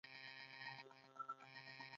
سرکانو ولسوالۍ لاره ده؟